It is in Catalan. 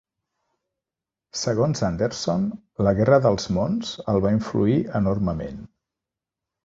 Segons Anderson, "La guerra dels mons" el va influir enormement.